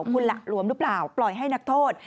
คุณหละหลวมหรือเปล่าปล่อยให้นักโทษ